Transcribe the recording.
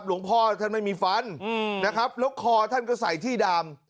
หลวงพ่อท่านไม่มีฟันนะครับแล้วคอท่านก็ใส่ที่ดาม